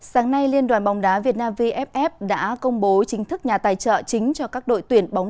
sáng nay liên đoàn bóng đá việt nam vff đã công bố chính thức nhà tài trợ chính cho các đội tuyển bóng